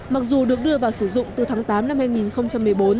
mặc dù được đưa vào sử dụng từ tháng tám năm hai nghìn một mươi bốn